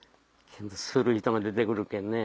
する人が出て来るけんね。